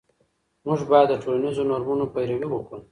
موږ باید د ټولنیزو نورمونو پیروي وکړو.